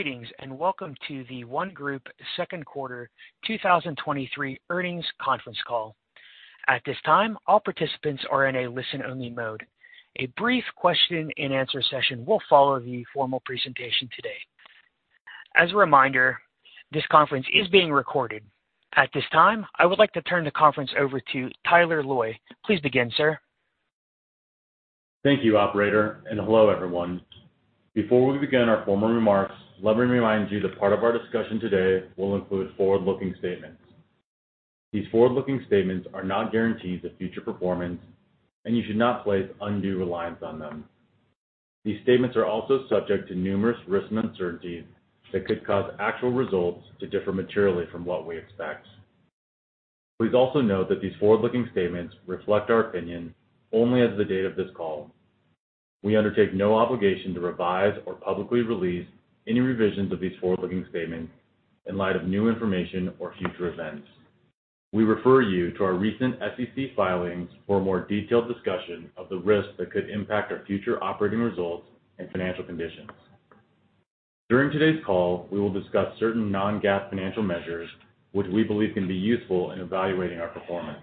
Greetings, welcome to The ONE Group second quarter 2023 earnings conference call. At this time, all participants are in a listen-only mode. A brief question and answer session will follow the formal presentation today. As a reminder, this conference is being recorded. At this time, I would like to turn the conference over to Tyler Loy. Please begin, sir. Thank you, operator, and hello, everyone. Before we begin our formal remarks, let me remind you that part of our discussion today will include forward-looking statements. These forward-looking statements are not guarantees of future performance, and you should not place undue reliance on them. These statements are also subject to numerous risks and uncertainties that could cause actual results to differ materially from what we expect. Please also note that these forward-looking statements reflect our opinion only as of the date of this call. We undertake no obligation to revise or publicly release any revisions of these forward-looking statements in light of new information or future events. We refer you to our recent SEC filings for a more detailed discussion of the risks that could impact our future operating results and financial conditions. During today's call, we will discuss certain non-GAAP financial measures, which we believe can be useful in evaluating our performance.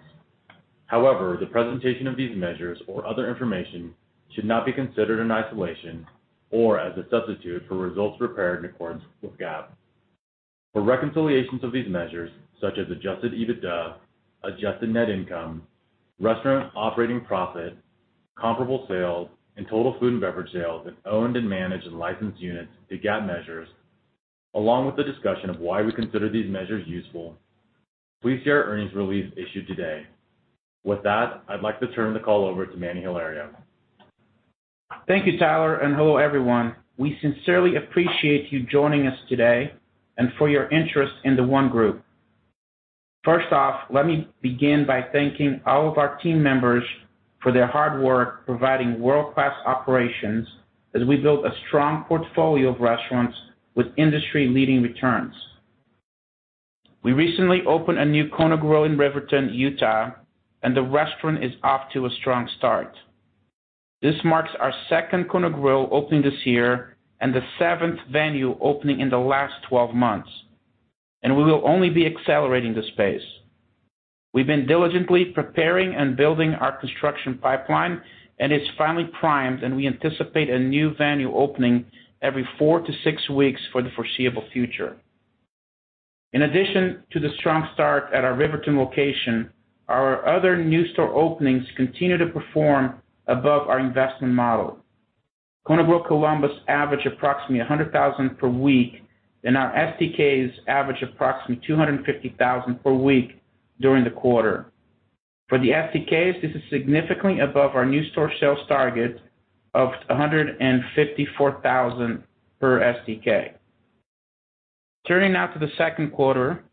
The presentation of these measures or other information should not be considered in isolation or as a substitute for results prepared in accordance with GAAP. For reconciliations of these measures, such as Adjusted EBITDA, Adjusted net income, Restaurant Operating Profit, comparable sales, and total food and beverage sales, and owned and managed and licensed units to GAAP measures, along with the discussion of why we consider these measures useful, please see our earnings release issued today. With that, I'd like to turn the call over to Emanuel Hilario. Thank you, Tyler. Hello, everyone. We sincerely appreciate you joining us today and for your interest in The ONE Group. First off, let me begin by thanking all of our team members for their hard work, providing world-class operations as we build a strong portfolio of restaurants with industry-leading returns. We recently opened a new Kona Grill in Riverton, Utah. The restaurant is off to a strong start. This marks our second Kona Grill opening this year and the seventh venue opening in the last 12 months. We will only be accelerating this pace. We've been diligently preparing and building our construction pipeline, and it's finally primed. We anticipate a new venue opening every four to six weeks for the foreseeable future. In addition to the strong start at our Riverton location, our other new store openings continue to perform above our investment model. Kona Grill, Columbus, average approximately $100,000 per week, and our STKs average approximately $250,000 per week during the quarter. For the STKs, this is significantly above our new store sales target of $154,000 per STK. Turning now to the second quarter,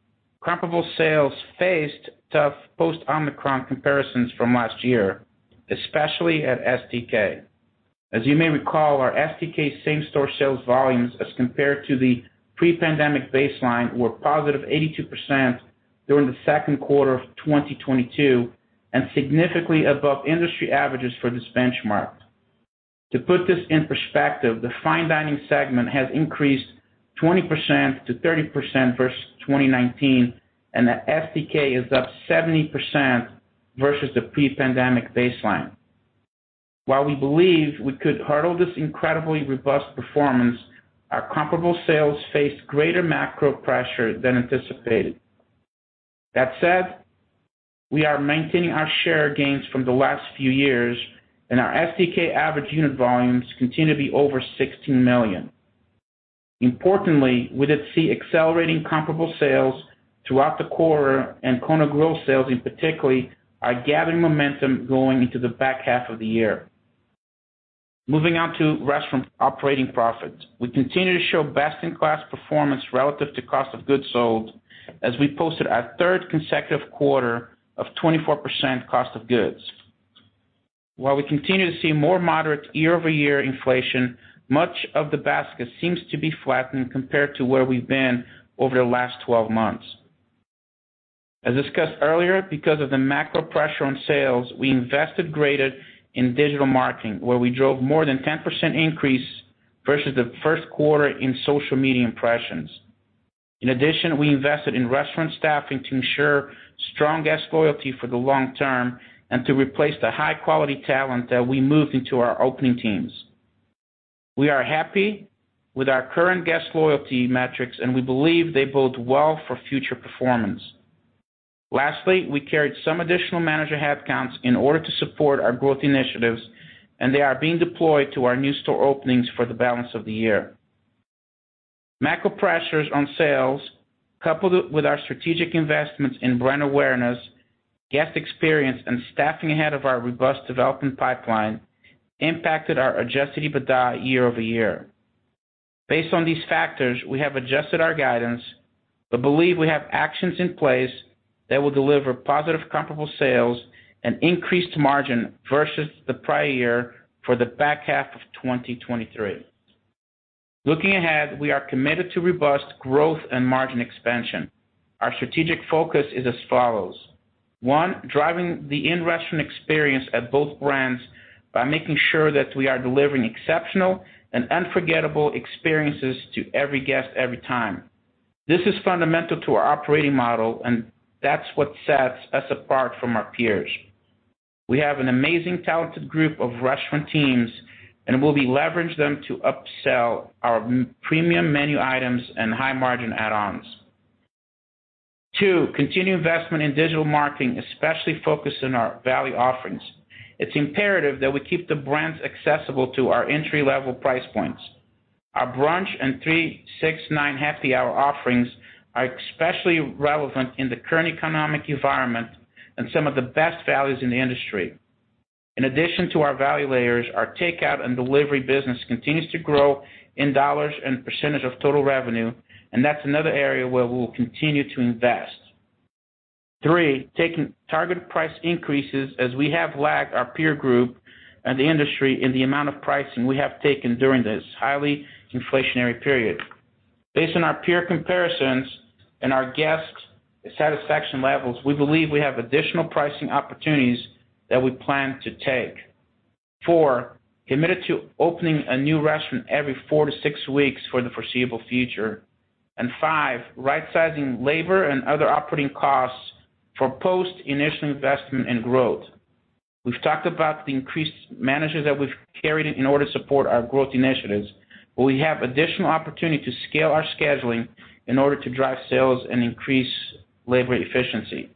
comparable sales faced tough post-Omicron comparisons from last year, especially at STK. As you may recall, our STK same-store sales volumes as compared to the pre-pandemic baseline were positive 82% during the second quarter of 2022 and significantly above industry averages for this benchmark. To put this in perspective, the fine dining segment has increased 20%-30% versus 2019, and the STK is up 70% versus the pre-pandemic baseline. While we believe we could hurdle this incredibly robust performance, our comparable sales faced greater macro pressure than anticipated. That said, we are maintaining our share gains from the last few years, and our STK average unit volumes continue to be over $16 million. Importantly, we did see accelerating comparable sales throughout the quarter, and Kona Grill sales in particular, are gathering momentum going into the back half of the year. Moving on to Restaurant Operating Profit. We continue to show best-in-class performance relative to cost of goods sold, as we posted our third consecutive quarter of 24% cost of goods. While we continue to see more moderate year-over-year inflation, much of the basket seems to be flattened compared to where we've been over the last 12 months. As discussed earlier, because of the macro pressure on sales, we invested graded in digital marketing, where we drove more than 10% increase versus the first quarter in social media impressions. In addition, we invested in restaurant staffing to ensure strong guest loyalty for the long term and to replace the high-quality talent that we moved into our opening teams. We are happy with our current guest loyalty metrics, and we believe they bode well for future performance. Lastly, we carried some additional manager headcounts in order to support our growth initiatives, and they are being deployed to our new store openings for the balance of the year. Macro pressures on sales, coupled with our strategic investments in brand awareness, guest experience, and staffing ahead of our robust development pipeline, impacted our Adjusted EBITDA year-over-year. Based on these factors, we have adjusted our guidance but believe we have actions in place that will deliver positive comparable sales and increased margin versus the prior year for the back half of 2023. Looking ahead, we are committed to robust growth and margin expansion. Our strategic focus is as follows: 1, driving the in-restaurant experience at both brands by making sure that we are delivering exceptional and unforgettable experiences to every guest, every time. This is fundamental to our operating model, that's what sets us apart from our peers. We have an amazing, talented group of restaurant teams, we'll be leveraged them to upsell our premium menu items and high-margin add-ons. Two, continue investment in digital marketing, especially focused on our value offerings. It's imperative that we keep the brands accessible to our entry-level price points. Our brunch and $3, $6, $9 happy hour offerings are especially relevant in the current economic environment and some of the best values in the industry. In addition to our value layers, our takeout and delivery business continues to grow in dollars and percentage of total revenue, that's another area where we will continue to invest. Three, taking target price increases as we have lagged our peer group and the industry in the amount of pricing we have taken during this highly inflationary period. Based on our peer comparisons and our guest satisfaction levels, we believe we have additional pricing opportunities that we plan to take. Four, committed to opening a new restaurant every 4-6 weeks for the foreseeable future. Five, right-sizing labor and other operating costs for post-initial investment and growth. We've talked about the increased managers that we've carried in order to support our growth initiatives, we have additional opportunity to scale our scheduling in order to drive sales and increase labor efficiency.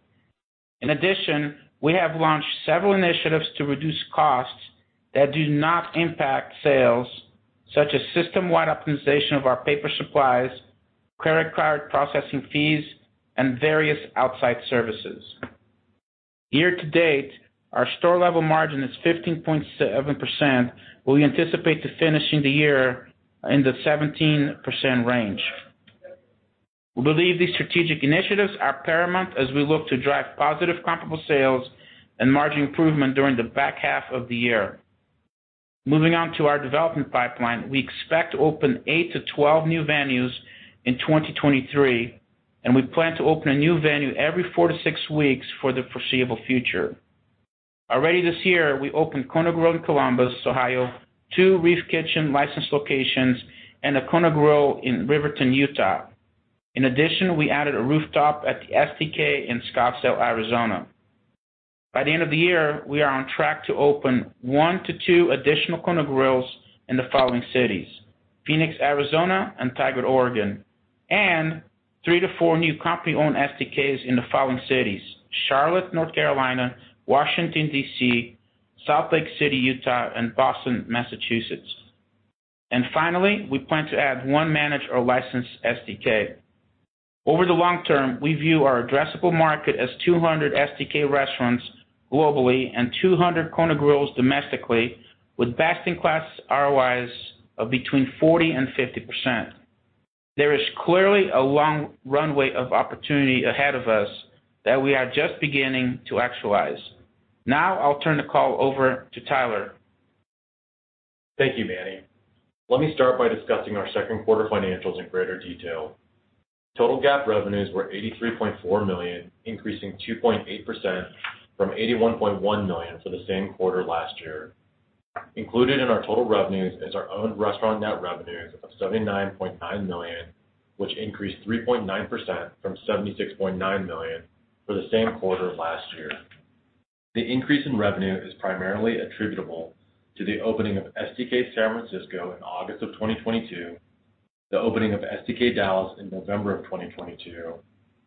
In addition, we have launched several initiatives to reduce costs that do not impact sales, such as system-wide optimization of our paper supplies, credit card processing fees, and various outside services. Year to date, our store-level margin is 15.7%, we anticipate to finishing the year in the 17% range. We believe these strategic initiatives are paramount as we look to drive positive comparable sales and margin improvement during the back half of the year. Moving on to our development pipeline, we expect to open 8-12 new venues in 2023, we plan to open a new venue every 4-6 weeks for the foreseeable future. Already this year, we opened Kona Grill in Columbus, Ohio, 2 REEF Kitchen licensed locations, and a Kona Grill in Riverton, Utah. In addition, we added a Rooftop at the STK in Scottsdale, Arizona. By the end of the year, we are on track to open 1-2 additional Kona Grills in the following cities: Phoenix, Arizona, and Tigard, Oregon, and 3-4 new company-owned STKs in the following cities: Charlotte, North Carolina, Washington, D.C., Salt Lake City, Utah, and Boston, Massachusetts. Finally, we plan to add 1 managed or licensed STK. Over the long term, we view our addressable market as 200 STK restaurants globally and 200 Kona Grills domestically, with best-in-class ROIs of between 40% and 50%. There is clearly a long runway of opportunity ahead of us that we are just beginning to actualize. I'll turn the call over to Tyler. Thank you, Manny. Let me start by discussing our second quarter financials in greater detail. Total GAAP revenues were $83.4 million, increasing 2.8% from $81.1 million for the same quarter last year. Included in our total revenues is our own Restaurant Operating Profit net revenues of $79.9 million, which increased 3.9% from $76.9 million for the same quarter last year. The increase in revenue is primarily attributable to the opening of STK San Francisco in August of 2022, the opening of STK Dallas in November of 2022,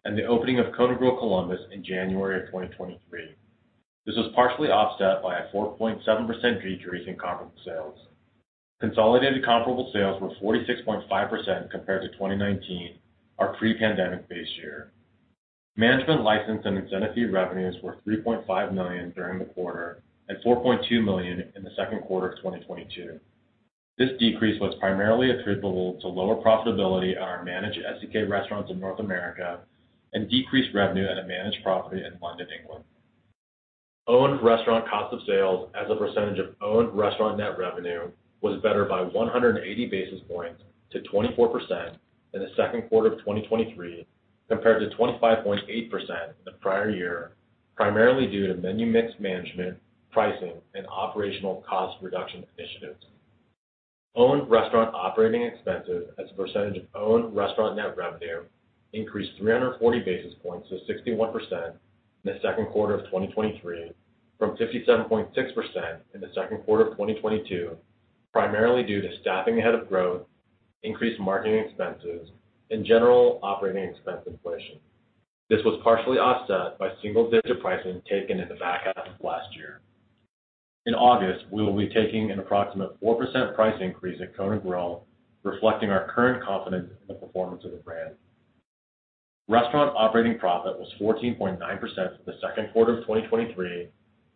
and the opening of Kona Grill Columbus in January of 2023. This was partially offset by a 4.7% decrease in comparable sales. Consolidated comparable sales were 46.5% compared to 2019, our pre-pandemic base year. Management license and incentive fee revenues were $3.5 million during the quarter and $4.2 million in the second quarter of 2022. This decrease was primarily attributable to lower profitability on our managed STK restaurants in North America and decreased revenue at a managed property in London, England. Owned restaurant cost of sales as a percentage of owned restaurant net revenue was better by 180 basis points to 24% in the second quarter of 2023, compared to 25.8% in the prior year, primarily due to menu mix management, pricing, and operational cost reduction initiatives. Owned Restaurant Operating Expenses as a percentage of owned Restaurant Net Revenue increased 340 basis points to 61% in the second quarter of 2023, from 57.6% in the second quarter of 2022, primarily due to staffing ahead of growth, increased Marketing Expenses, and general Operating Expense inflation. This was partially offset by single-digit pricing taken in the back half of last year. In August, we will be taking an approximate 4% price increase at Kona Grill, reflecting our current confidence in the performance of the brand. Restaurant Operating Profit was 14.9% for the second quarter of 2023,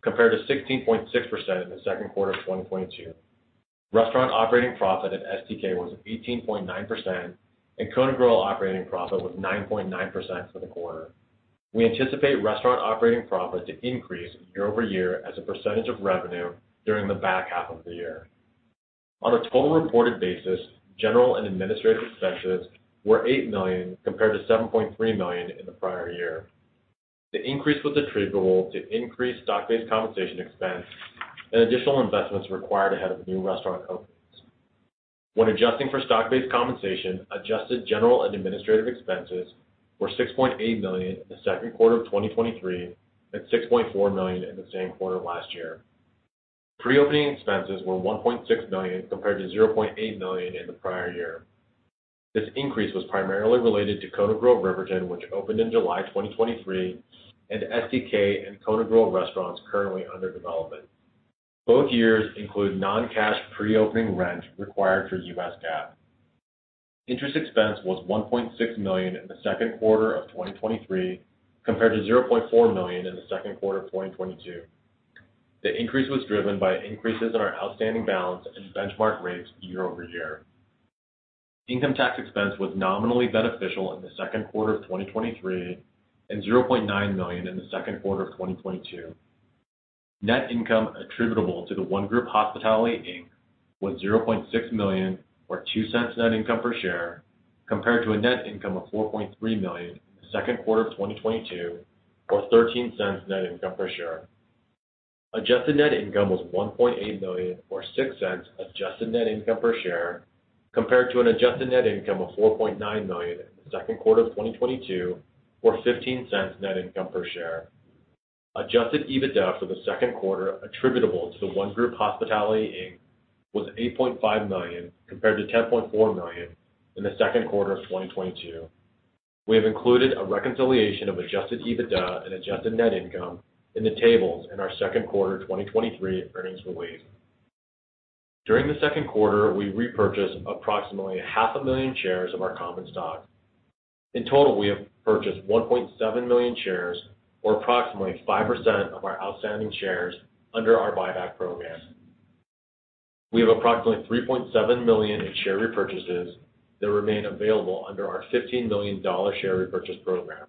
compared to 16.6% in the second quarter of 2022. Restaurant Operating Profit at STK was 18.9%, and Kona Grill Operating Profit was 9.9% for the quarter. We anticipate Restaurant Operating Profit to increase year-over-year as a percentage of revenue during the back half of the year. On a total reported basis, general and administrative expenses were $8 million compared to $7.3 million in the prior year. The increase was attributable to increased stock-based compensation expense and additional investments required ahead of new restaurant openings. When adjusting for stock-based compensation, adjusted general and administrative expenses were $6.8 million in the second quarter of 2023 and $6.4 million in the same quarter last year. Pre-opening expenses were $1.6 million, compared to $0.8 million in the prior year. This increase was primarily related to Kona Grill Riverton, which opened in July 2023, and STK and Kona Grill restaurants currently under development. Both years include non-cash pre-opening rent required for U.S. GAAP. Interest expense was $1.6 million in the second quarter of 2023, compared to $0.4 million in the second quarter of 2022. The increase was driven by increases in our outstanding balance and benchmark rates year-over-year. Income tax expense was nominally beneficial in the second quarter of 2023 and $0.9 million in the second quarter of 2022. Net income attributable to The ONE Group Hospitality, Inc. was $0.6 million, or $0.02 net income per share, compared to a net income of $4.3 million in the second quarter of 2022, or $0.13 net income per share. Adjusted net income was $1.8 million, or $0.06 Adjusted net income per share, compared to an Adjusted net income of $4.9 million in the second quarter of 2022, or $0.15 net income per share. Adjusted EBITDA for the second quarter attributable to The ONE Group Hospitality, Inc, was $8.5 million, compared to $10.4 million in the second quarter of 2022. We have included a reconciliation of Adjusted EBITDA and Adjusted net income in the tables in our second quarter 2023 earnings release. During the second quarter, we repurchased approximately 500,000 shares of our common stock. In total, we have purchased 1.7 million shares, or approximately 5% of our outstanding shares, under our buyback program. We have approximately $3.7 million in share repurchases that remain available under our $15 million share repurchase program.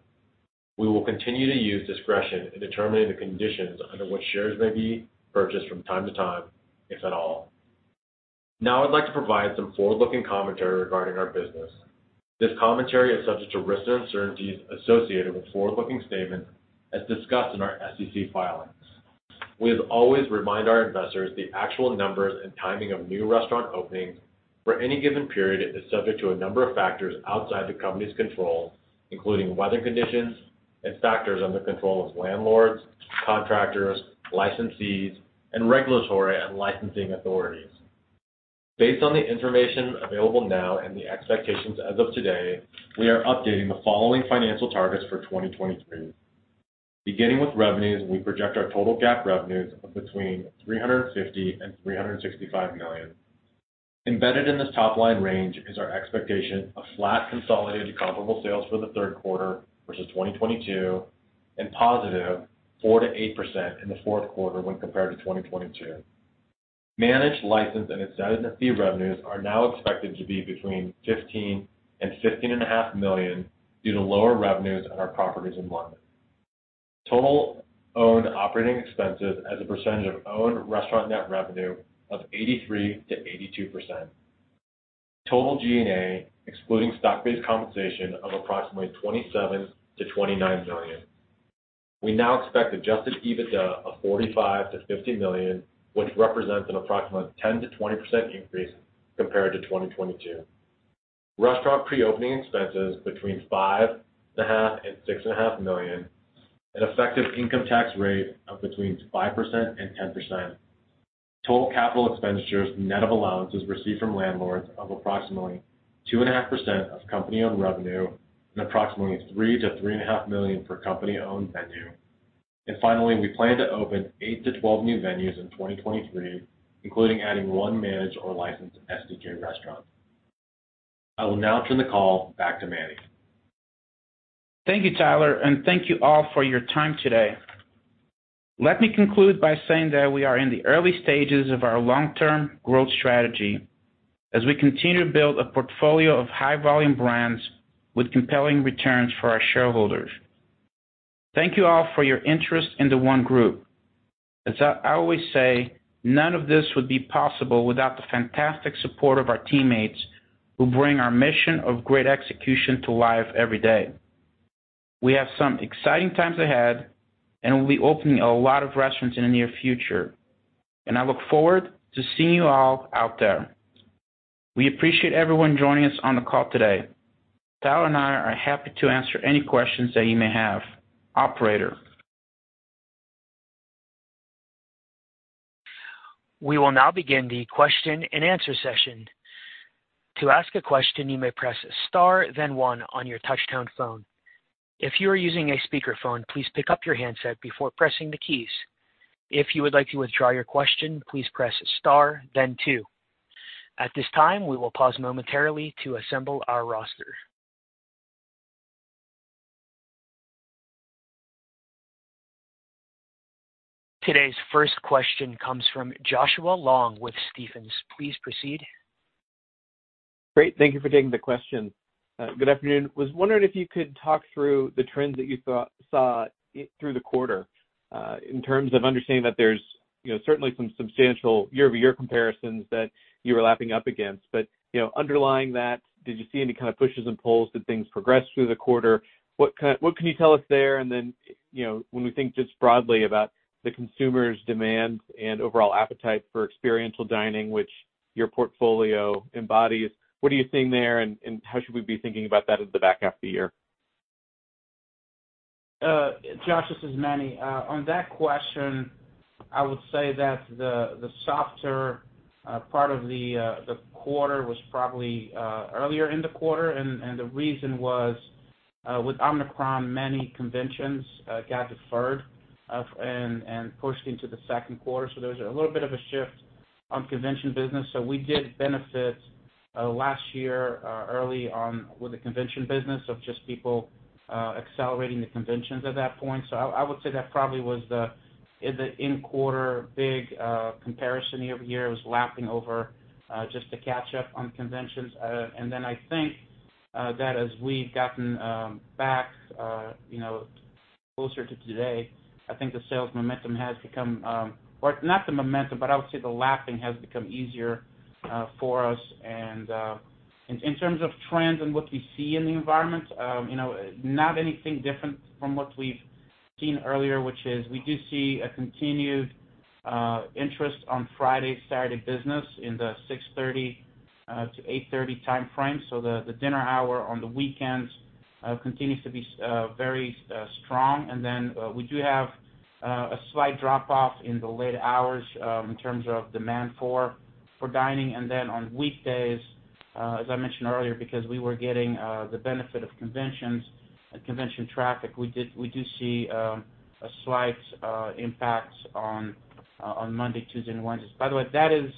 We will continue to use discretion in determining the conditions under which shares may be purchased from time to time, if at all. Now, I'd like to provide some forward-looking commentary regarding our business. This commentary is subject to risks and uncertainties associated with forward-looking statements, as discussed in our SEC filings. We have always remind our investors the actual numbers and timing of new restaurant openings for any given period is subject to a number of factors outside the company's control, including weather conditions and factors under the control of landlords, contractors, licensees, and regulatory and licensing authorities. Based on the information available now and the expectations as of today, we are updating the following financial targets for 2023. Beginning with revenues, we project our total GAAP revenues of between $350 million and $365 million. Embedded in this top-line range is our expectation of flat consolidated comparable sales for the third quarter versus 2022, and positive 4%-8% in the fourth quarter when compared to 2022. Managed, licensed, and incentive fee revenues are now expected to be between $15 million and $15.5 million due to lower revenues on our properties in London. Total owned operating expenses as a percentage of owned restaurant net revenue of 83%-82%. Total G&A, excluding stock-based compensation, of approximately $27 million-$29 million. We now expect Adjusted EBITDA of $45 million-$50 million, which represents an approximate 10%-20% increase compared to 2022. Restaurant pre-opening expenses between $5.5 million and $6.5 million, an effective income tax rate of between 5% and 10%. Total CapEx, net of allowances received from landlords, of approximately 2.5% of company-owned revenue and approximately $3 million-$3.5 million per company-owned venue. Finally, we plan to open 8 to 12 new venues in 2023, including adding one managed or licensed STK restaurant. I will now turn the call back to Manny. Thank you, Tyler, and thank you all for your time today. Let me conclude by saying that we are in the early stages of our long-term growth strategy as we continue to build a portfolio of high-volume brands with compelling returns for our shareholders. Thank you all for your interest in The ONE Group. As I always say, none of this would be possible without the fantastic support of our teammates, who bring our mission of great execution to life every day. We have some exciting times ahead. We'll be opening a lot of restaurants in the near future, and I look forward to seeing you all out there. We appreciate everyone joining us on the call today. Tyler and I are happy to answer any questions that you may have. Operator? We will now begin the question and answer session. To ask a question, you may press star, then one on your touchtone phone. If you are using a speakerphone, please pick up your handset before pressing the keys. If you would like to withdraw your question, please press star, then two. At this time, we will pause momentarily to assemble our roster. Today's first question comes from Joshua Long with Stephens. Please proceed. Great. Thank you for taking the question. Good afternoon. Was wondering if you could talk through the trends that you thought, saw through the quarter, in terms of understanding that there's, you know, certainly some substantial year-over-year comparisons that you were lapping up against. You know, underlying that, did you see any kind of pushes and pulls? Did things progress through the quarter? What can you tell us there? Then, you know, when we think just broadly about the consumers' demands and overall appetite for experiential dining, which your portfolio embodies, what are you seeing there, and, and how should we be thinking about that in the back half of the year? Josh, this is Manny. On that question, I would say that the, the softer part of the quarter was probably earlier in the quarter. The reason was with Omicron, many conventions got deferred and pushed into the second quarter. There was a little bit of a shift on convention business. We did benefit last year early on with the convention business of just people accelerating the conventions at that point. I, I would say that probably was the, the in-quarter big comparison year-over-year was lapping over just to catch up on conventions. Then I think that as we've gotten back, you know, closer to today, I think the sales momentum has become or not the momentum, but I would say the lapping has become easier for us. In terms of trends and what we see in the environment, you know, not anything different from what we've seen earlier, which is we do see a continued interest on Friday, Saturday business in the 6:30 to 8:30 timeframe. The dinner hour on the weekends continues to be very strong. Then we do have a slight drop-off in the late hours in terms of demand for dining. Then on weekdays, as I mentioned earlier, because we were getting the benefit of conventions and convention traffic, we do see a slight impact on Monday, Tuesday, and Wednesdays. By the way, that is,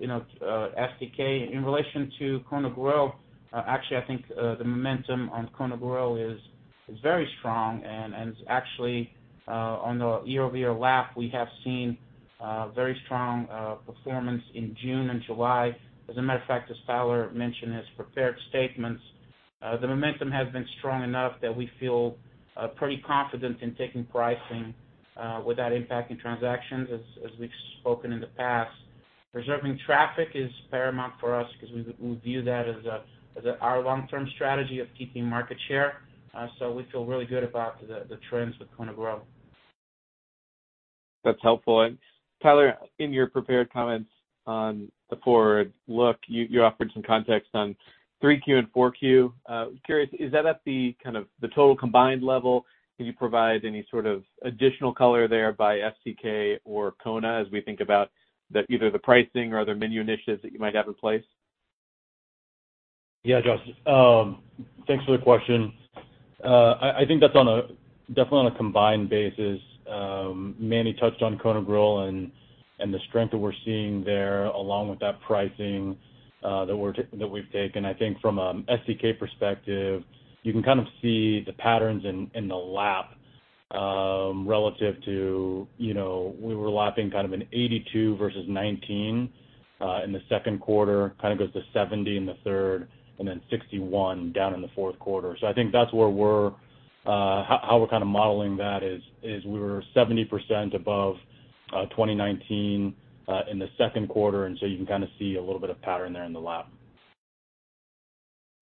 you know, STK. In relation to Kona Grill, actually, I think the momentum on Kona Grill is very strong. It's actually on the year-over-year lap, we have seen very strong performance in June and July. As a matter of fact, as Tyler mentioned in his prepared statements, the momentum has been strong enough that we feel pretty confident in taking pricing without impacting transactions, as we've spoken in the past. Preserving traffic is paramount for us because we view that as our long-term strategy of keeping market share. We feel really good about the, the trends with Kona Grill. That's helpful. Tyler, in your prepared comments on the forward look, you, you offered some context on 3Q and 4Q. Curious, is that at the, kind of, the total combined level? Can you provide any sort of additional color there by STK or Kona as we think about the, either the pricing or other menu initiatives that you might have in place? Yeah, Josh, thanks for the question. I, I think that's on a, definitely on a combined basis. Manny touched on Kona Grill and the strength that we're seeing there, along with that pricing that we've taken. I think from a STK perspective, you can kind of see the patterns in the lap relative to, you know, we were lapping kind of an 82 versus 19 in the second quarter, kind of goes to 70 in the third, and then 61 down in the fourth quarter. I think that's where we're how, how we're kind of modeling that is, is we were 70% above 2019 in the second quarter. You can kind of see a little bit of pattern there in the lap.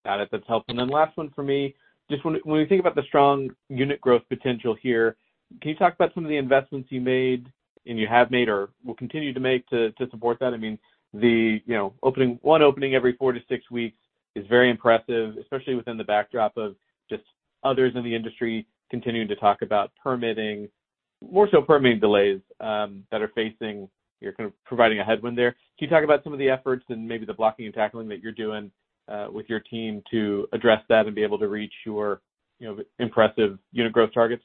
Got it. That's helpful. Last one for me, just when, when we think about the strong unit growth potential here, can you talk about some of the investments you made and you have made or will continue to make to, to support that? I mean, the, you know, 1 opening every 4 to 6 weeks is very impressive, especially within the backdrop of just others in the industry continuing to talk about permitting, more so permitting delays, that are facing... You're kind of providing a headwind there. Can you talk about some of the efforts and maybe the blocking and tackling that you're doing with your team to address that and be able to reach your, you know, impressive unit growth targets?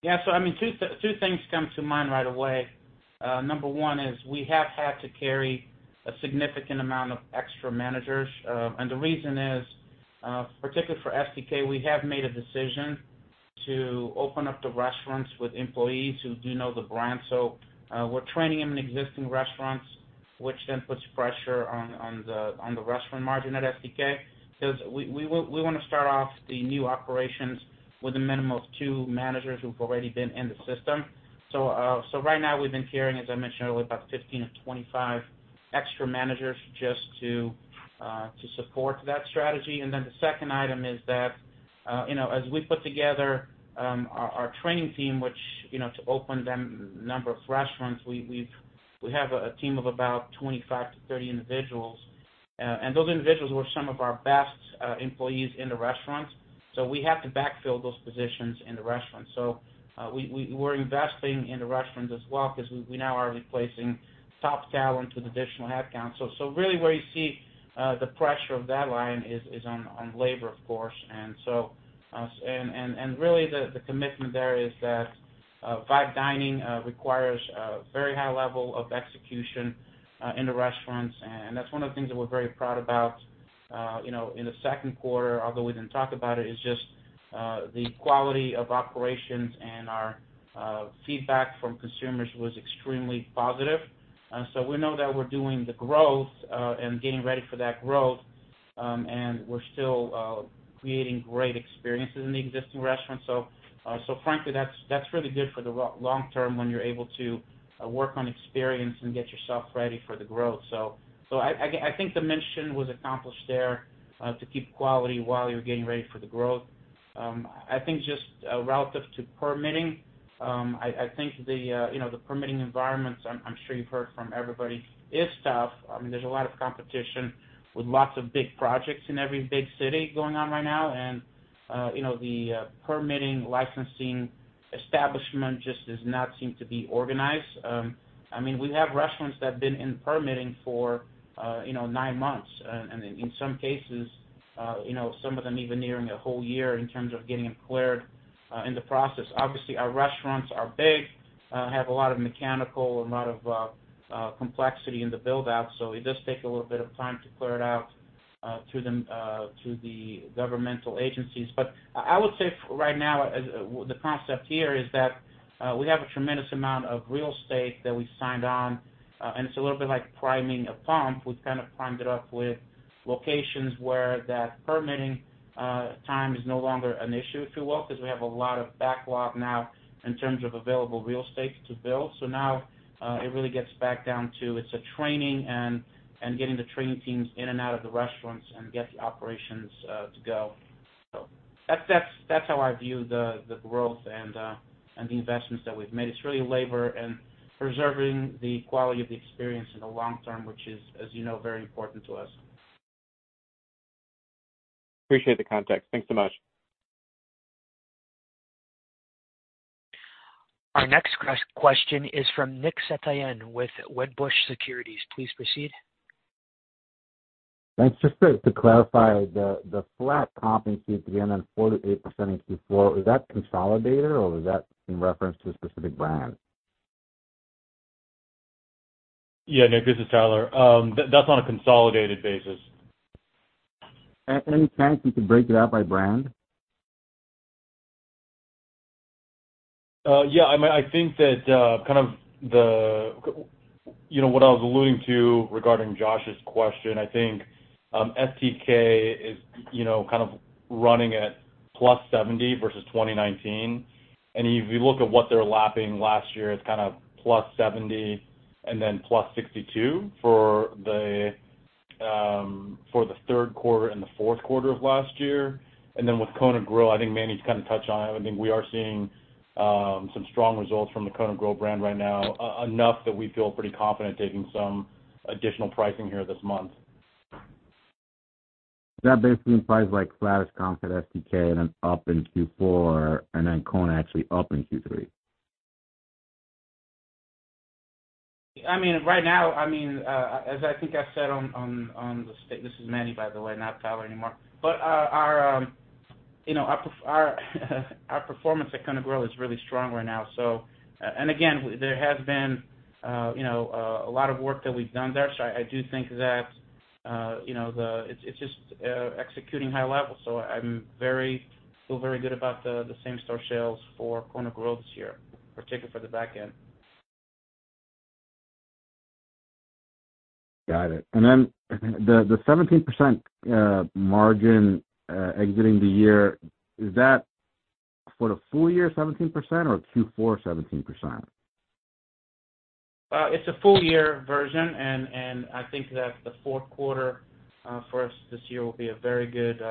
Yeah, so I mean, two things come to mind right away. Number 1 is we have had to carry a significant amount of extra managers. The reason is, particularly for STK, we have made a decision to open up the restaurants with employees who do know the brand. We're training them in existing restaurants, which then puts pressure on the restaurant margin at STK. Because we, we want, we want to start off the new operations with a minimum of two managers who've already been in the system. Right now we've been carrying, as I mentioned earlier, about 15-25 extra managers just to support that strategy. The second item is that, you know, as we put together, our, our training team, which, you know, to open them, number of restaurants, we have a team of about 25 to 30 individuals, and those individuals were some of our best employees in the restaurants. We have to backfill those positions in the restaurants. We're investing in the restaurants as well, because we, we now are replacing top talent with additional headcount. Really where you see the pressure of that line is, is on, on labor, of course. Really the, the commitment there is that fine dining requires a very high level of execution in the restaurants, and that's one of the things that we're very proud about. you know, in the second quarter, although we didn't talk about it, is just the quality of operations and our feedback from consumers was extremely positive. So we know that we're doing the growth and getting ready for that growth, and we're still creating great experiences in the existing restaurants. So frankly, that's, that's really good for the long term when you're able to work on experience and get yourself ready for the growth. So I, I, I think the mission was accomplished there, to keep quality while you're getting ready for the growth. I think just relative to permitting, I, I think the, you know, the permitting environments, I'm, I'm sure you've heard from everybody, is tough. I mean, there's a lot of competition with lots of big projects in every big city going on right now. You know, the permitting, licensing establishment just does not seem to be organized. I mean, we have restaurants that have been in permitting for, you know, nine months, and in some cases, you know, some of them even nearing a whole year in terms of getting it cleared in the process. Obviously, our restaurants are big, have a lot of mechanical, a lot of complexity in the build out, so it does take a little bit of time to clear it out through the governmental agencies. I would say right now, the concept here is that, we have a tremendous amount of real estate that we signed on, and it's a little bit like priming a pump. We've kind of primed it up with locations where that permitting, time is no longer an issue to us, because we have a lot of backlog now in terms of available real estate to build. Now, it really gets back down to it's a training and, and getting the training teams in and out of the restaurants and get the operations, to go. That's, that's, that's how I view the, the growth and, and the investments that we've made. It's really labor and preserving the quality of the experience in the long term, which is, as you know, very important to us. Appreciate the context. Thanks so much. Our next question is from Nick Setyan with Wedbush Securities. Please proceed. Thanks. Just to clarify the flat comp in Q3 and 48% in Q4, is that consolidated or is that in reference to a specific brand? Yeah, Nick, this is Tyler. That's on a consolidated basis. Any chance you could break it out by brand? Yeah, I mean, I think that, kind of the... You know, what I was alluding to regarding Josh's question, I think, STK is, you know, kind of running at +70% versus 2019. If you look at what they're lapping last year, it's kind of +70% and then +62% for the 3rd quarter and the 4th quarter of last year. Then with Kona Grill, I think Manny kind of touched on it. I think we are seeing some strong results from the Kona Grill brand right now, enough that we feel pretty confident taking some additional pricing here this month. That basically implies like flattest comp at STK and then up in Q4, and then Kona actually up in Q3. I mean, right now, I mean, as I think I said on, on, on the statement, this is Manny, by the way, not Tyler anymore. Our, you know, our, our performance at Kona Grill is really strong right now. And again, there has been, you know, a lot of work that we've done there. I, I do think that, you know, it's, it's just, executing high level. I'm very, feel very good about the, the same store sales for Kona Grill this year, particularly for the back end. Got it. The, the 17% margin, exiting the year, is that for the full year 17% or Q4 17%? It's a full year version, and I think that the fourth quarter for us this year will be a very good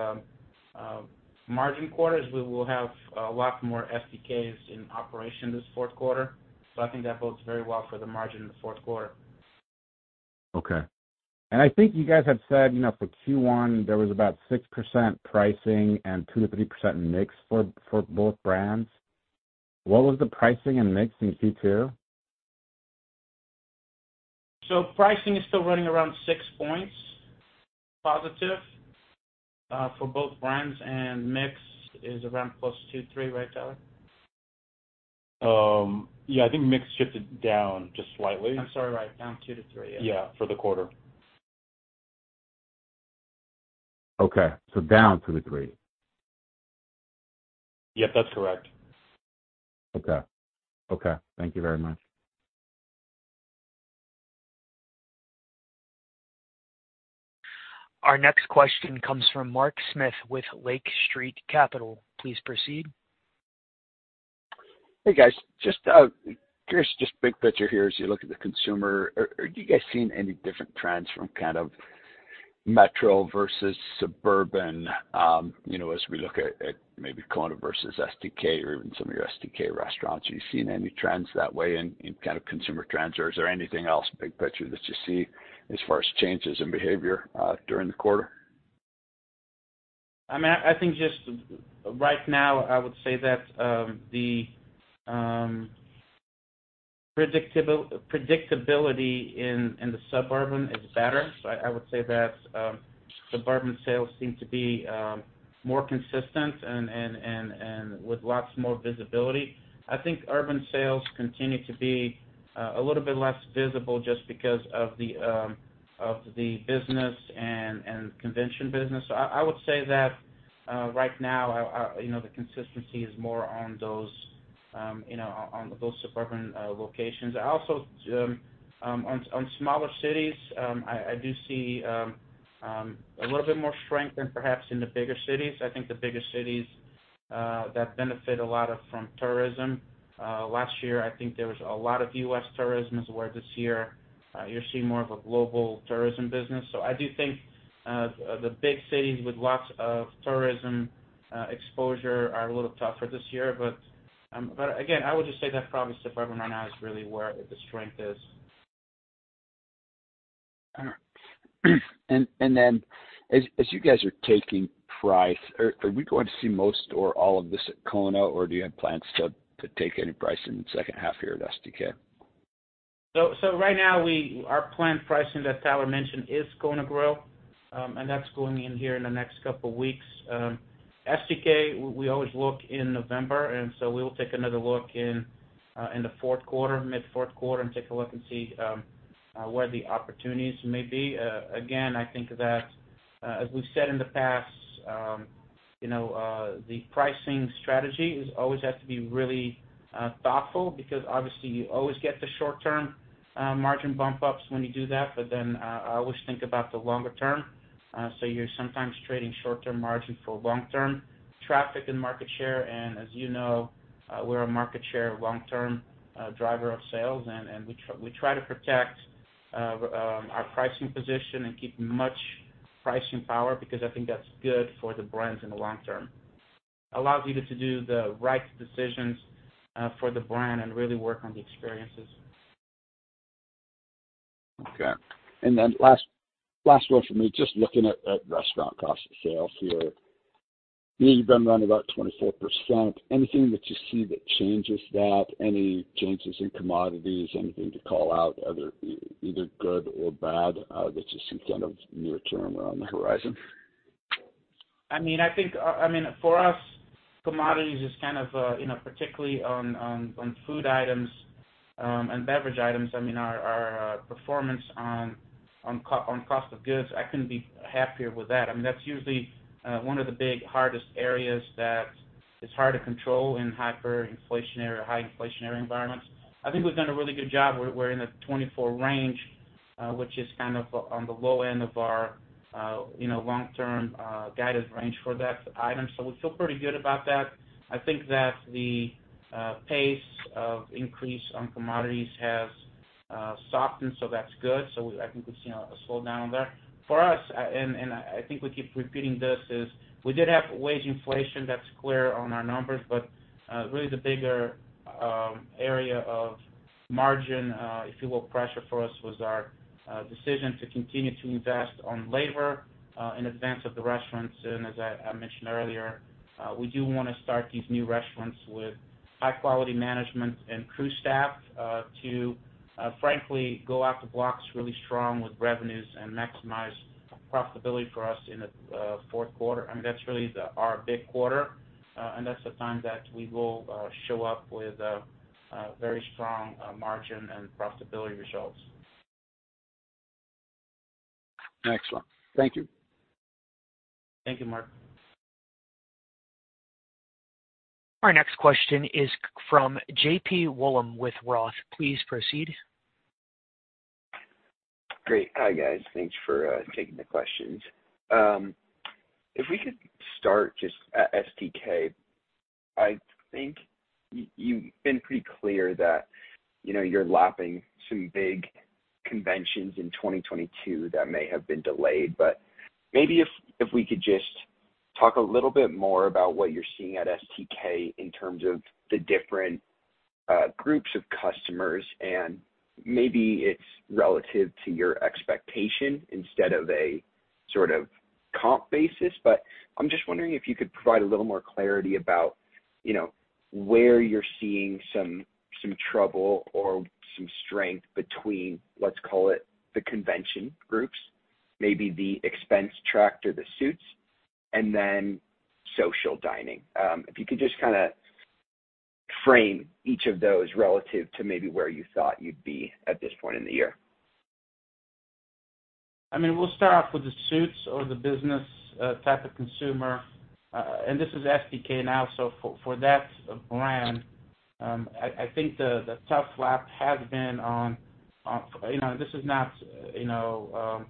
margin quarter, as we will have a lot more STKs in operation this fourth quarter. I think that bodes very well for the margin in the fourth quarter. Okay. I think you guys have said, you know, for Q1, there was about 6% pricing and 2%-3% mix for, for both brands. What was the pricing and mix in Q2? Pricing is still running around 6 points positive for both brands, and mix is around +2, +3, right, Tyler? Yeah, I think mix shifted down just slightly. I'm sorry, right, down 2-3. Yeah, for the quarter. Okay, down 2%-3%? Yep, that's correct. Okay. Okay, thank you very much. Our next question comes from Mark Smith with Lake Street Capital. Please proceed. Hey, guys. Just curious, just big picture here, as you look at the consumer, are, are you guys seeing any different trends from kind of metro versus suburban? You know, as we look at, at maybe Kona versus STK or even some of your STK restaurants, are you seeing any trends that way in, in kind of consumer trends, or is there anything else, big picture, that you see as far as changes in behavior, during the quarter? I mean, I, I think just right now, I would say that the predictability in the suburban is better. I would say that suburban sales seem to be more consistent and, and, and, and with lots more visibility. I think urban sales continue to be a little bit less visible just because of the business and convention business. I, I would say that right now, you know, the consistency is more on those, you know, on, on those suburban locations. Also, on smaller cities, I, I do see a little bit more strength than perhaps in the bigger cities. I think the bigger cities that benefit a lot of from tourism. Last year, I think there was a lot of U.S. tourism, whereas this year, you're seeing more of a global tourism business. I do think, the big cities with lots of tourism, exposure are a little tougher this year. Again, I would just say that probably suburban right now is really where the strength is. All right. And then as, as you guys are taking price, are, are we going to see most or all of this at Kona, or do you have plans to, to take any price in the second half here at STK? Right now, we -- our planned pricing, that Tyler mentioned, is going to grow, and that's going in here in the next couple of weeks. STK, we always look in November, we will take another look in the fourth quarter, mid fourth quarter, and take a look and see where the opportunities may be. Again, I think that as we've said in the past, you know, the pricing strategy is always has to be really thoughtful because, obviously, you always get the short-term margin bump ups when you do that, always think about the longer term. You're sometimes trading short-term margin for long-term traffic and market share. As you know, we're a market share long-term driver of sales, and we try to protect our pricing position and keep much pricing power because I think that's good for the brands in the long term. Allows you to do the right decisions for the brand and really work on the experiences. Okay. Then last, last one for me. Just looking at, at restaurant cost of sales here, you've been running about 24%. Anything that you see that changes that? Any changes in commodities, anything to call out, other, either good or bad, that you see kind of near term or on the horizon? I mean, I think, I mean, for us, commodities is kind of, you know, particularly on, on, on food items, and beverage items, I mean, our, our, performance on cost of goods, I couldn't be happier with that. I mean, that's usually, one of the big, hardest areas that is hard to control in hyperinflationary or high inflationary environments. I think we've done a really good job. We're, we're in the 24% range, which is kind of on the low end of our, you know, long-term, guided range for that item. We feel pretty good about that. I think that the pace of increase on commodities has softened, so that's good. I think we've seen a, a slowdown there. For us, and I think we keep repeating this, is we did have wage inflation. That's clear on our numbers. Really the bigger area of margin, if you will, pressure for us, was our decision to continue to invest on labor, in advance of the restaurants. As I mentioned earlier, we do want to start these new restaurants with high-quality management and crew staff, to, frankly, go out the blocks really strong with revenues and maximize profitability for us in the fourth quarter. I mean, that's really our big quarter, and that's the time that we will show up with a very strong margin and profitability results. Excellent. Thank you. Thank you, Mark. Our next question is from JP Wollam with Roth. Please proceed. Great. Hi, guys. Thanks for taking the questions. If we could start just at STK, I think you, you've been pretty clear that, you know, you're lapping some big conventions in 2022 that may have been delayed. Maybe if, if we could just talk a little bit more about what you're seeing at STK in terms of the different groups of customers, and maybe it's relative to your expectation instead of a sort of comp basis. I'm just wondering if you could provide a little more clarity about, you know, where you're seeing some, some trouble or some strength between, let's call it, the convention groups, maybe the expense tracked or the suits, and then social dining. If you could just kind of frame each of those relative to maybe where you thought you'd be at this point in the year. I mean, we'll start off with the suits or the business type of consumer. This is STK now, so for, for that brand, I, I think the, the tough lap has been on, on, you know, this is not, you know,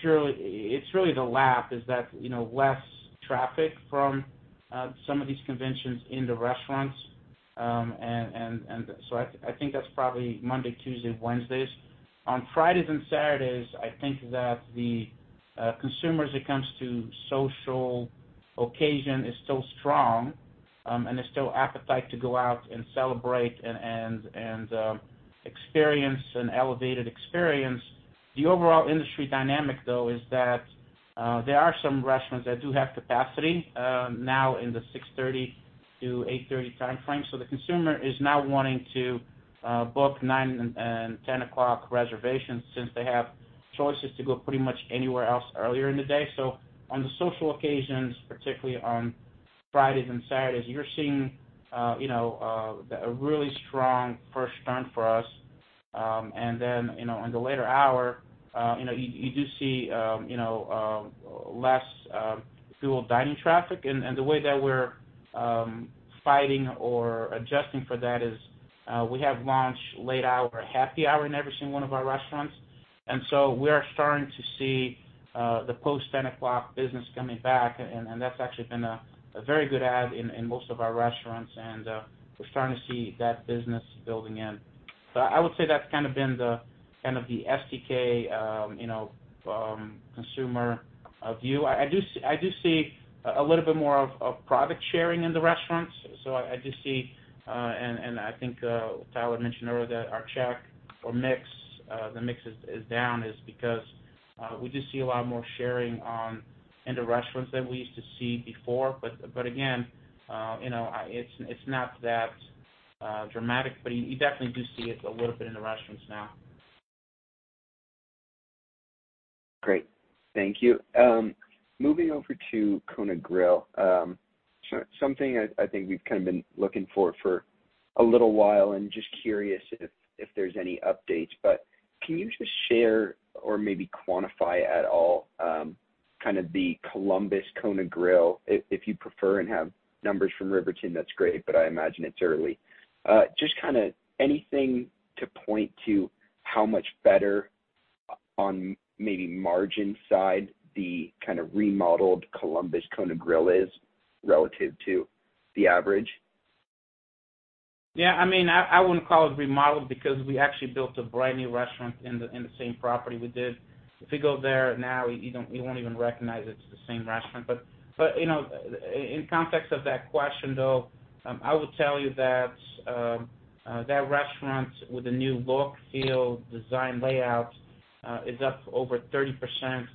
purely, it's really the lap, is that, you know, less traffic from some of these conventions in the restaurants. I, I think that's probably Monday, Tuesday, Wednesdays. On Fridays and Saturdays, I think that the consumers, when it comes to social occasion, is still strong, and there's still appetite to go out and celebrate and, and, and experience an elevated experience. The overall industry dynamic, though, is that there are some restaurants that do have capacity now in the 6:30-8:30 timeframe. The consumer is now wanting to book 9 and 10 o'clock reservations since they have choices to go pretty much anywhere else earlier in the day. On the social occasions, particularly on Fridays and Saturdays, you're seeing, you know, a really strong first turn for us. Then, you know, in the later hour, you know, you, you do see, you know, less fuel dining traffic. The way that we're fighting or adjusting for that is we have launched late hour happy hour in every single one of our restaurants. We are starting to see the post-10 o'clock business coming back, and that's actually been a very good add in most of our restaurants, and we're starting to see that business building in. I would say that's kind of been the, kind of the STK, you know, consumer view. I, I do see, I do see a little bit more of, of product sharing in the restaurants. I just see, and, and I think Tyler mentioned earlier that our check or mix, the mix is, is down, is because, we just see a lot more sharing on in the restaurants than we used to see before. Again, you know, I- it's, it's not that dramatic, but you, you definitely do see it a little bit in the restaurants now. Great, thank you. Moving over to Kona Grill. Something I, I think we've kind of been looking for for a little while, and just curious if, if there's any updates. Can you just share or maybe quantify at all, kind of the Columbus Kona Grill? If, if you prefer, and have numbers from Riverton, that's great, but I imagine it's early. Just kind of anything to point to how much better on maybe margin side, the kind of remodeled Columbus Kona Grill is relative to the average? Yeah, I mean, I, I wouldn't call it remodeled because we actually built a brand new restaurant in the, in the same property we did. If you go there now, you won't even recognize it's the same restaurant. But, you know, in context of that question, though, I would tell you that that restaurant with a new look, feel, design, layout, is up over 30%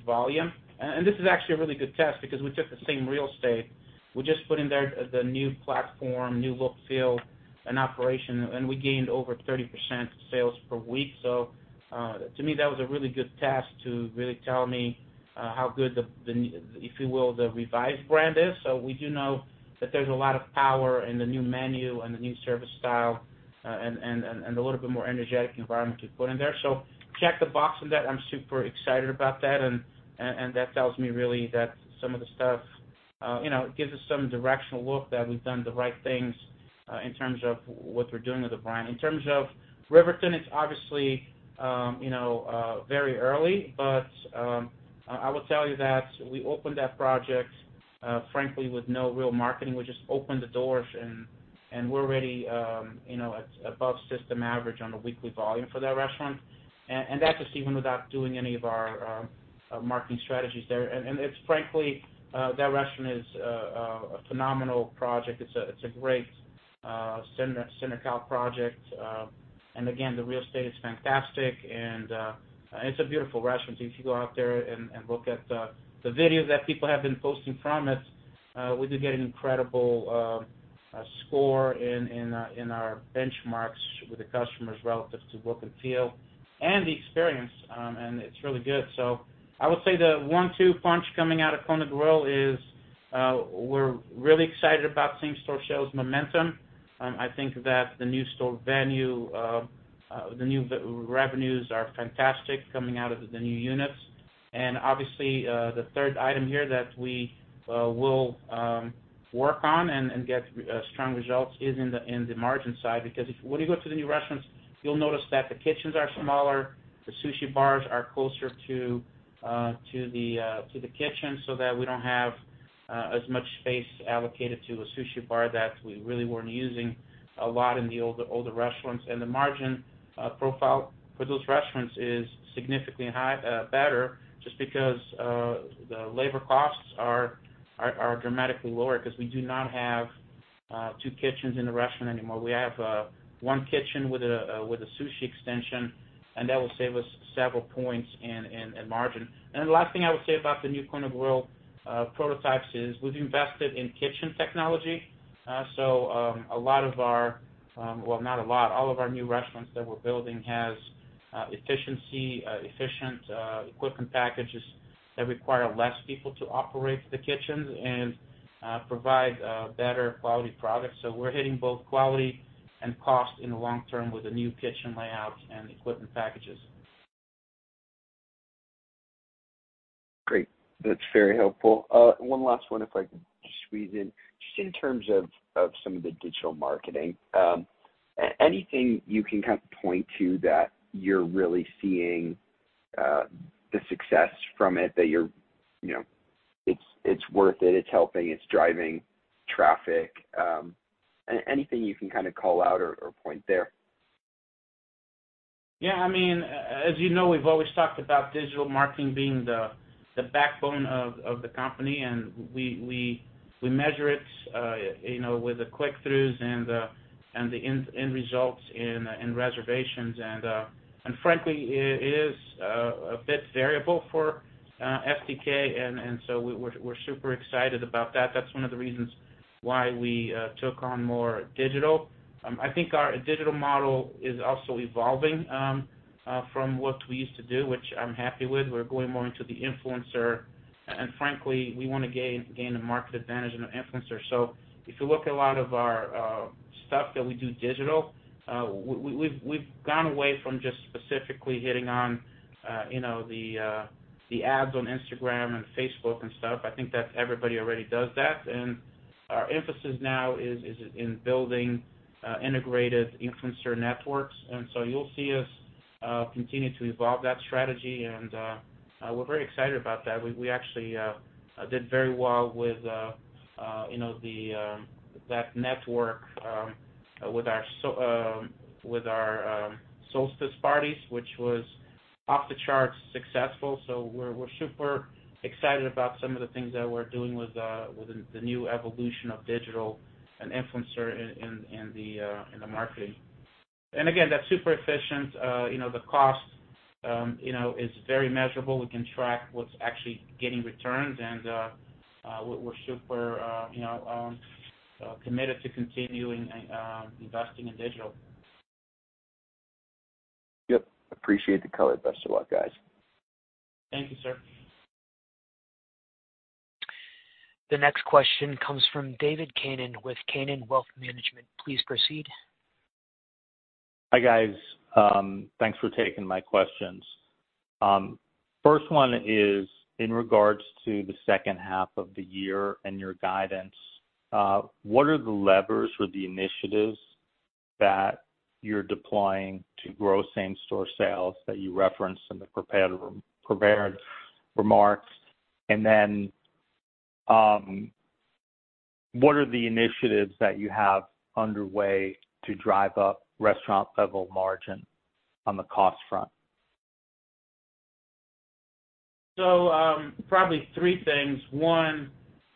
volume. And this is actually a really good test because we took the same real estate. We just put in there the new platform, new look, feel, and operation, and we gained over 30% sales per week. To me, that was a really good test to really tell me how good the, the, if you will, the revised brand is. We do know that there's a lot of power in the new menu and the new service style, and, and, and, and a little bit more energetic environment we put in there. Check the box on that. I'm super excited about that, and, and, and that tells me really that some of the stuff, you know, gives us some directional look that we've done the right things in terms of what we're doing with the brand. In terms of Riverton, it's obviously, you know, very early, but I, I will tell you that we opened that project, frankly, with no real marketing. We just opened the doors and, and we're already, you know, at above system average on a weekly volume for that restaurant. And that's just even without doing any of our, our, our marketing strategies there. It's frankly, that restaurant is a phenomenal project. It's a, it's a great CenterCal project. Again, the real estate is fantastic, and it's a beautiful restaurant. If you go out there and, and look at the, the videos that people have been posting from it, we do get an incredible score in, in our, in our benchmarks with the customers relative to look and feel and the experience, and it's really good. I would say the one, two punch coming out of Kona Grill is we're really excited about same-store sales momentum. I think that the new store venue, the new revenues are fantastic coming out of the new units. Obviously, the third item here that we will work on and get strong results is in the margin side. Because when you go to the new restaurants, you'll notice that the kitchens are smaller, the sushi bars are closer to the kitchen so that we don't have as much space allocated to a sushi bar that we really weren't using a lot in the older, older restaurants. The margin profile for those restaurants is significantly high, better, just because the labor costs are dramatically lower, 'cause we do not have 2 kitchens in the restaurant anymore. We have 1 kitchen with a sushi extension, and that will save us several points in margin. The last thing I would say about the new Kona Grill prototypes is we've invested in kitchen technology. A lot of our, well, not a lot, all of our new restaurants that we're building has efficiency, efficient equipment packages that require less people to operate the kitchens and provide better quality products. We're hitting both quality and cost in the long term with the new kitchen layouts and equipment packages. Great. That's very helpful. One last one, if I could just squeeze in. Just in terms of, of some of the digital marketing, anything you can kind of point to that you're really seeing, the success from it, that you're, you know, it's, it's worth it, it's helping, it's driving traffic? Anything you can kind of call out or, or point there? Yeah, I mean, as you know, we've always talked about digital marketing being the, the backbone of, of the company, and we, we, we measure it, you know, with the click-throughs and the, and the end, end results in, in reservations. Frankly, it is a bit variable for STK, and, and so we're, we're super excited about that. That's one of the reasons why we took on more digital. I think our digital model is also evolving from what we used to do, which I'm happy with. We're going more into the influencer, and frankly, we want to gain, gain a market advantage in the influencer. If you look at a lot of our stuff that we do digital, we've, we've gone away from just specifically hitting on, you know, the ads on Instagram and Facebook and stuff. I think that's everybody already does that. Our emphasis now is, is in building integrated influencer networks. You'll see us continue to evolve that strategy, and we're very excited about that. We, we actually did very well with, you know, the that network, with our with our solstice parties, which was off the charts successful. We're, we're super excited about some of the things that we're doing with, with the, the new evolution of digital and influencer in, in the marketing. Again, that's super efficient. You know, the cost, you know, is very measurable. We can track what's actually getting returns, and, we're super, you know, committed to continuing, investing in digital. Yep, appreciate the color. Best of luck, guys. Thank you, sir. The next question comes from David Kanen with Kanen Wealth Management. Please proceed. Hi, guys. Thanks for taking my questions. 1st one is in regards to the 2nd half of the year and your guidance. What are the levers or the initiatives that you're deploying to grow comparable sales that you referenced in the prepared, prepared remarks? What are the initiatives that you have underway to drive up restaurant level margin on the cost front? Probably three things. One,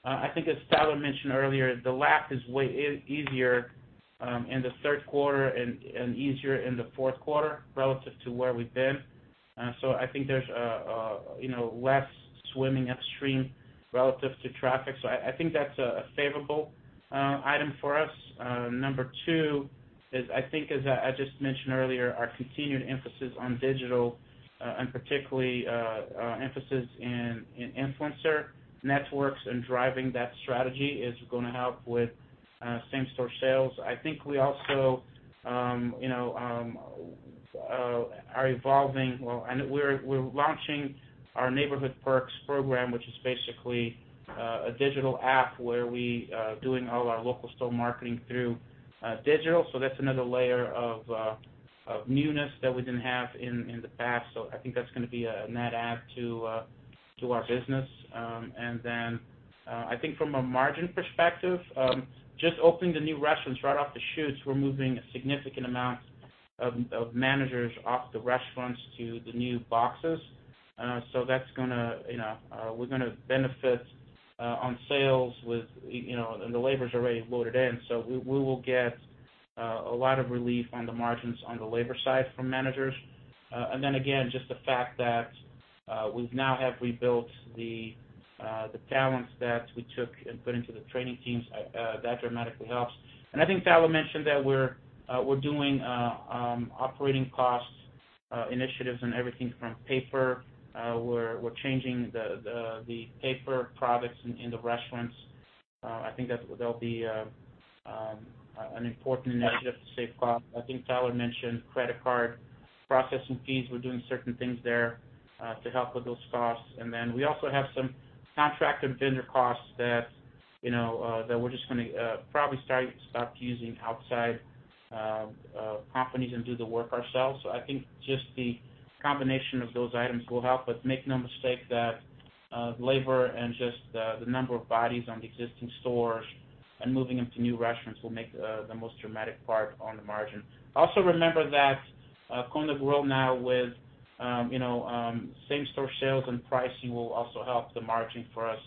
I think as Tyler mentioned earlier, the lap is way easier in the third quarter and easier in the fourth quarter relative to where we've been. I think there's a, you know, less swimming upstream relative to traffic. I think that's a favorable item for us. Number two is, I think, as I just mentioned earlier, our continued emphasis on digital, and particularly emphasis in influencer networks and driving that strategy is gonna help with same-store sales. I think we also, you know, are evolving. Well, and we're launching our Neighborhood Perks program, which is basically a digital app where we doing all our local store marketing through digital. That's another layer of newness that we didn't have in, in the past. I think that's gonna be a net add to our business. Then, I think from a margin perspective, just opening the new restaurants right off the shoots, we're moving significant amounts of, of managers off the restaurants to the new boxes. That's gonna, you know, we're gonna benefit on sales with, you know, and the labor is already loaded in, so we, we will get a lot of relief on the margins on the labor side from managers. Then again, just the fact that we've now have rebuilt the talents that we took and put into the training teams, that dramatically helps. I think Tyler mentioned that we're doing operating costs initiatives and everything from paper. We're changing the paper products in the restaurants. I think that'll be an important initiative to save cost. I think Tyler mentioned credit card processing fees. We're doing certain things there to help with those costs. We also have some contract and vendor costs that, you know, that we're just gonna probably stop using outside companies and do the work ourselves. I think just the combination of those items will help. Make no mistake that labor and just the number of bodies on the existing stores and moving them to new restaurants will make the most dramatic part on the margin. Also, remember that Kona Grill now with, you know, same-store sales and pricing will also help the margin for us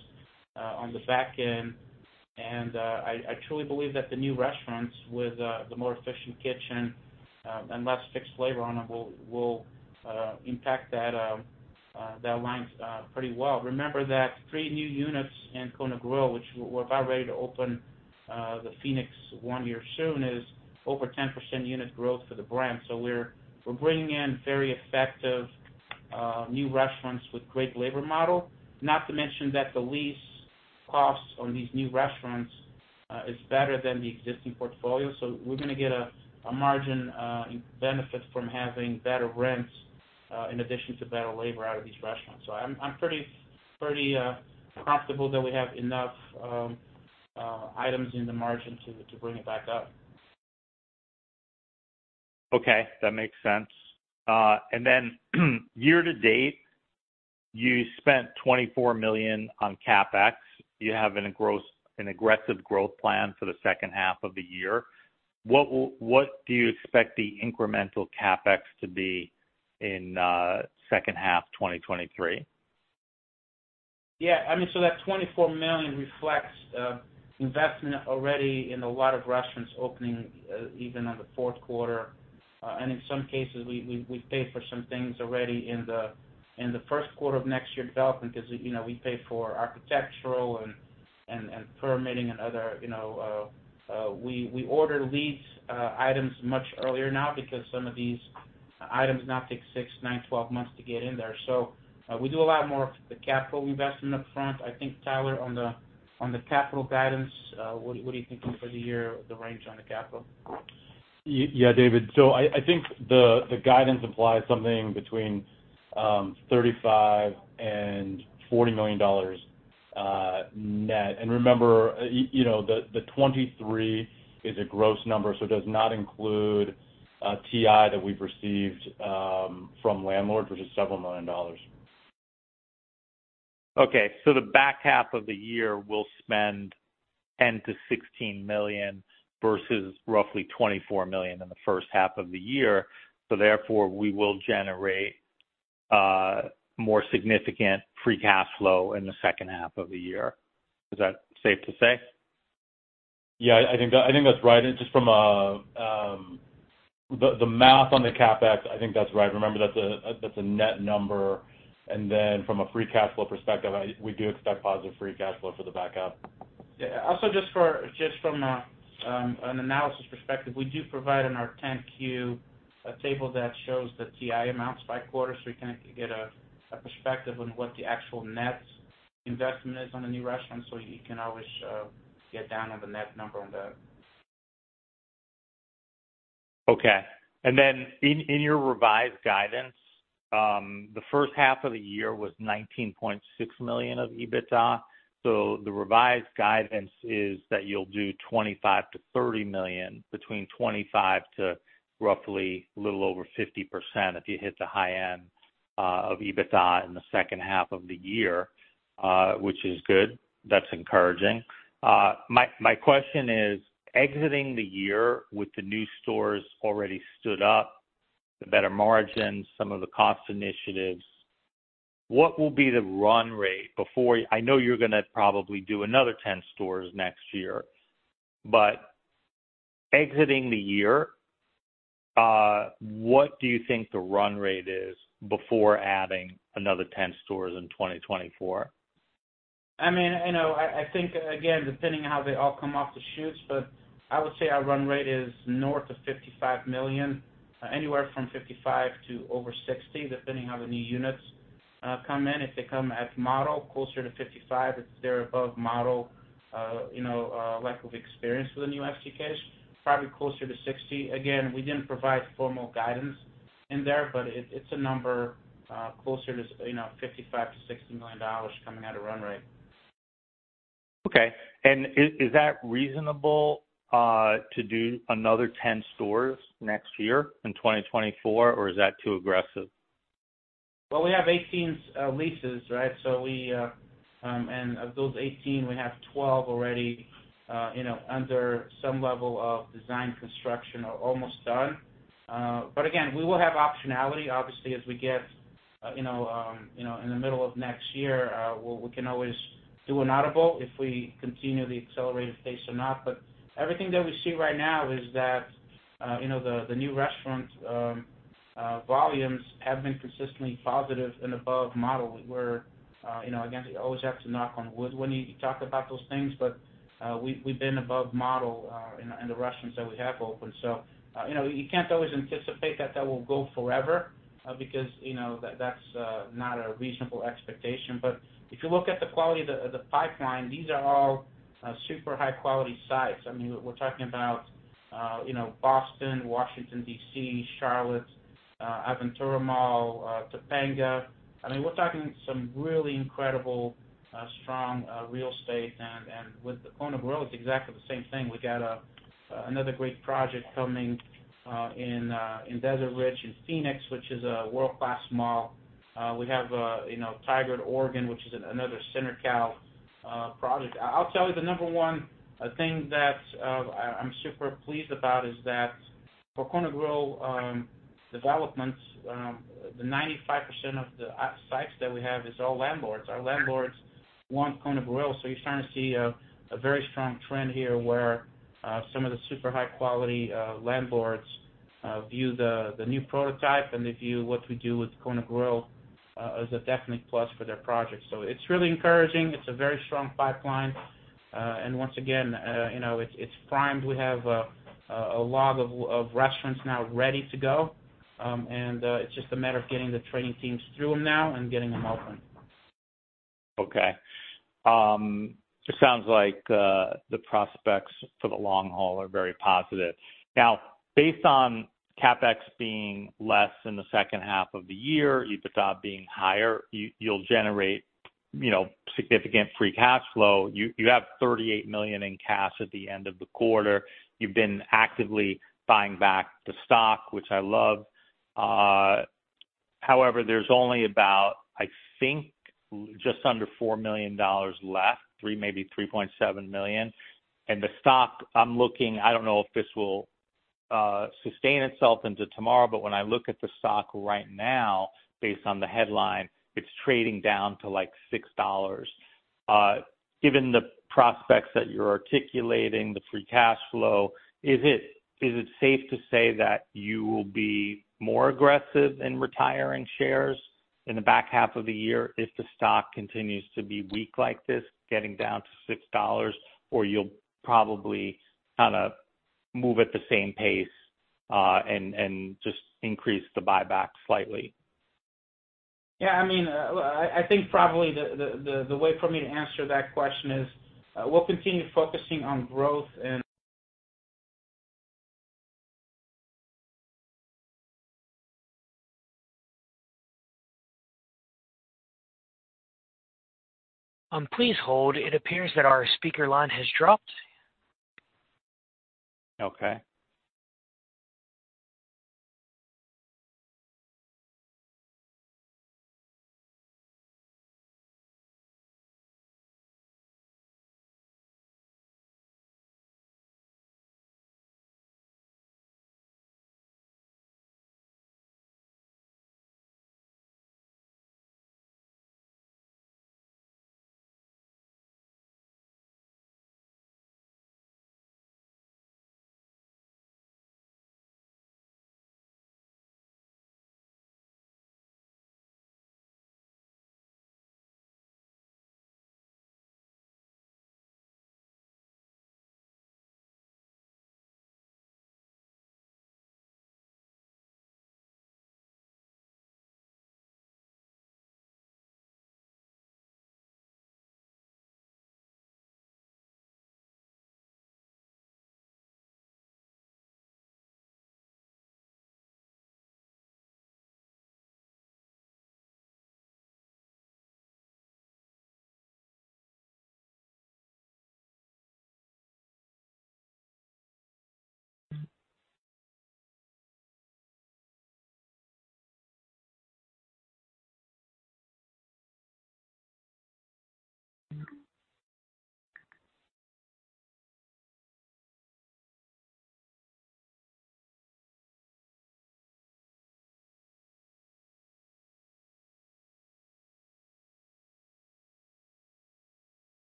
on the back end. I, I truly believe that the new restaurants with the more efficient kitchen and less fixed labor on them will, will impact that line pretty well. Remember that 3 new units in Kona Grill, which we're about ready to open, the Phoenix one here soon, is over 10% unit growth for the brand. We're, we're bringing in very effective new restaurants with great labor model. Not to mention that the lease costs on these new restaurants is better than the existing portfolio. We're gonna get a margin benefit from having better rents in addition to better labor out of these restaurants. I'm, I'm pretty, pretty comfortable that we have enough items in the margin to, to bring it back up. Okay, that makes sense. Year to date, you spent $24 million on CapEx. You have an aggressive growth plan for the second half of the year. What do you expect the incremental CapEx to be in second half, 2023? Yeah, I mean, that $24 million reflects investment already in a lot of restaurants opening even in the fourth quarter. And in some cases, we, we, we pay for some things already in the first quarter of next year development because, you know, we pay for architectural and permitting and other, you know, we, we order leads items much earlier now because some of these items now take 6, 9, 12 months to get in there. We do a lot more of the capital investment upfront. I think, Tyler, on the capital guidance, what, what are you thinking for the year, the range on the capital? Yeah, David. I, I think the guidance implies something between $35 million and $40 million net. Remember, you know, the 23 is a gross number, so it does not include TI that we've received from landlords, which is several million dollars. The back half of the year, we'll spend $10 million-$16 million versus roughly $24 million in the first half of the year. Therefore, we will generate more significant free cash flow in the second half of the year. Is that safe to say? Yeah, I think, I think that's right. Just from a, the, the math on the CapEx, I think that's right. Remember, that's a, that's a net number. Then from a free cash flow perspective, we do expect positive free cash flow for the back half. Yeah. Also, just from an analysis perspective, we do provide in our 10-Q, a table that shows the TI amounts by quarter, so you kind of can get a perspective on what the actual net investment is on the new restaurant. You can always get down on the net number on that. Okay. In, in your revised guidance, the first half of the year was $19.6 million of EBITDA. The revised guidance is that you'll do $25 million-$30 million, between 25% to roughly a little over 50% if you hit the high end, of EBITDA in the second half of the year, which is good. That's encouraging. My, my question is, exiting the year with the new stores already stood up, the better margins, some of the cost initiatives, what will be the run rate before I know you're gonna probably do another 10 stores next year, but exiting the year, what do you think the run rate is before adding another 10 stores in 2024? I mean, you know, I, I think, again, depending on how they all come off the shoots, but I would say our run rate is north of $55 million, anywhere from $55 million to over $60 million, depending on how the new units come in. If they come as model, closer to $55 million. If they're above model, you know, lack of experience with the new STKs, probably closer to $60 million. Again, we didn't provide formal guidance in there, but it, it's a number closer to, you know, $55 million-$60 million coming at a run rate. Okay. Is, is that reasonable to do another 10 stores next year in 2024, or is that too aggressive? Well, we have 18 leases, right? We, and of those 18, we have 12 already, you know, under some level of design, construction, or almost done. Again, we will have optionality, obviously, as we get, you know, in the middle of next year, we can always do an audible if we continue the accelerated pace or not. Everything that we see right now is that, you know, the new restaurant volumes have been consistently positive and above model, where, you know, again, you always have to knock on wood when you talk about those things, but we've been above model in the restaurants that we have opened. You know, you can't always anticipate that that will go forever, because, you know, that's not a reasonable expectation. If you look at the quality of the pipeline, these are all super high-quality sites. I mean, we're talking about, you know, Boston, Washington, D.C., Charlotte, Aventura Mall, Topanga. I mean, we're talking some really incredible, strong, real estate, and with the Kona Grill, it's exactly the same thing. We got another great project coming in Desert Ridge in Phoenix, which is a world-class mall. We have, you know, Tigard, Oregon, which is another CenterCal project. I'll tell you, the number one thing that I, I'm super pleased about is that for Kona Grill developments, the 95% of the sites that we have is all landlords. Our landlords want Kona Grill, so you're starting to see a very strong trend here, where some of the super high-quality landlords view the new prototype, and they view what we do with Kona Grill as a definite plus for their projects. It's really encouraging. It's a very strong pipeline. Once again, you know, it's, it's primed. We have a lot of restaurants now ready to go, and it's just a matter of getting the training teams through them now and getting them open. Okay. Just sounds like the prospects for the long haul are very positive. Now, based on CapEx being less in the second half of the year, EBITDA being higher, you, you'll generate, you know, significant free cash flow. You, you have $38 million in cash at the end of the quarter. You've been actively buying back the stock, which I love. However, there's only about, I think, just under $4 million left, $3 million, maybe $3.7 million. And the stock, I'm looking, I don't know if this will sustain itself into tomorrow, but when I look at the stock right now, based on the headline, it's trading down to, like, $6. Given the prospects that you're articulating, the free cash flow, is it, is it safe to say that you will be more aggressive in retiring shares?... in the back half of the year if the stock continues to be weak like this, getting down to $6, or you'll probably kind of move at the same pace, and, and just increase the buyback slightly? Yeah, I mean, I think probably the way for me to answer that question is, we'll continue focusing on growth and… Please hold. It appears that our speaker line has dropped. Okay.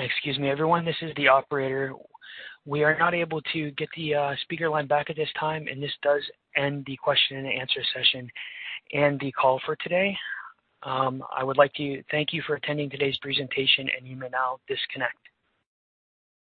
Excuse me, everyone, this is the operator. We are not able to get the speaker line back at this time, and this does end the question and answer session and the call for today. I would like to thank you for attending today's presentation, and you may now disconnect.